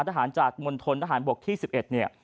ทหารจากมณฑทหารบกที่๑๑